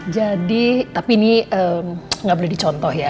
jadi tapi ini nggak boleh dicontoh ya